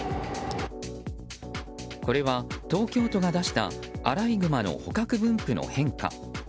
これは、東京都が出したアライグマの捕獲分布の変化。